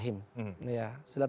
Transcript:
ini adalah satu rahim